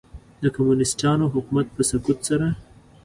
د کمونیسټانو حکومت په سقوط سره.